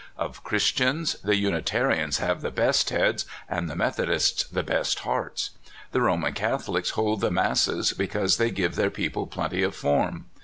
"Of Christians, the Unitarians have the best heads, and the Methodists the best hearts. The Roman Catholics hold the masses, because they THE RABBI. 157 give their people plenty of form.